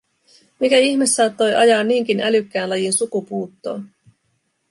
Mikä ihme saattoi ajaa niinkin älykkään lajin sukupuuttoon?